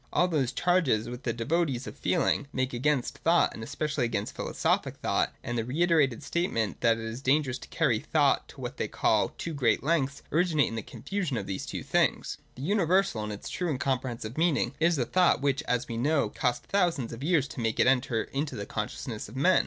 All those charges which the devotees of feeling make against thought, and especially against philosophic thought, and the reiterated statement that it is dangerous to carry thought 163.J THE NOTION AS UNIVERSAL. 293 to what they call too great lengths, originate in the confusion of these two things. The universal in its true and comprehensive meaning is a thought which, as we know, cost thousands of years to make it enter into the consciousness of men.